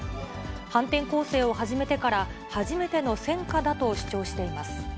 反転攻勢を始めてから初めての戦果だと主張しています。